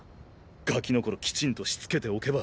ガキの頃きちんと躾けておけば。